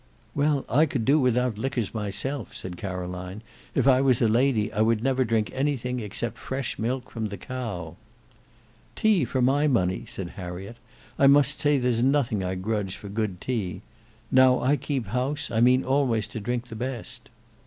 "Well, I could do without liquors myself," said Caroline. "If I was a lady, I would never drink anything except fresh milk from the cow." "Tea for my money," said Harriet; "I must say there's nothing I grudge for good tea. Now I keep house, I mean always to drink the best."